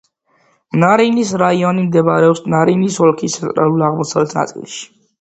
ნარინის რაიონი მდებარეობს ნარინის ოლქის ცენტრალურ-აღმოსავლეთ ნაწილში.